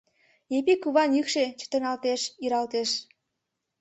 — Епи куван йӱкшӧ чытырналтеш, иралтеш.